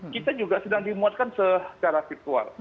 kita juga sedang dimuatkan secara virtual